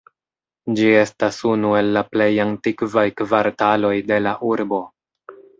Ĝi estas unu el la plej antikvaj kvartaloj de la urbo.